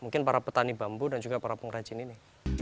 mungkin para petani bambu dan juga para pengrajin ini